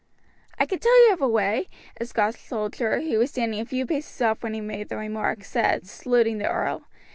"I can tell you of a way," a Scotch soldier who was standing a few paces off when he made the remark, said, saluting the earl.